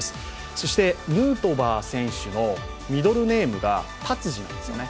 そして、ヌートバー選手のミドルネームが達治なんですよね。